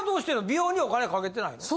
美容にお金かけてないの？